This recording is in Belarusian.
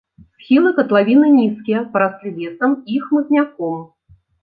Схілы катлавіны нізкія, параслі лесам і хмызняком.